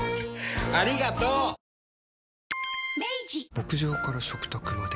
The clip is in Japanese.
牧場から食卓まで。